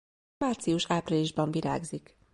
Március-áprilisban virágzik.